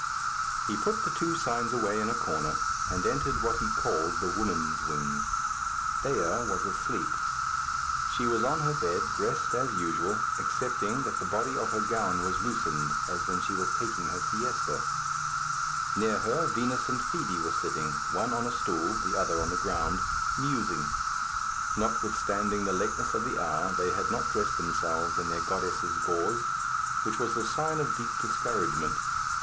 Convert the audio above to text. He put the two signs away in a corner, and entered what he called the woman's wing. Dea was asleep. She was on her bed, dressed as usual, excepting that the body of her gown was loosened, as when she was taking her siesta. Near her Vinos and Fibi were sitting one on a stool, the other on the ground musing. Notwithstanding the lateness of the hour, they had not dressed themselves in their goddesses' gauze, which was a sign of deep discouragement.